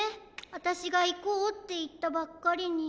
あたしが「いこう」っていったばっかりに。